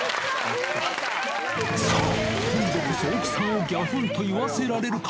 さあ、今度こそ奥さんをぎゃふんと言わせられるか。